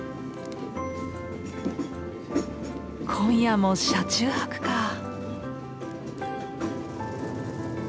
今夜も車中泊か。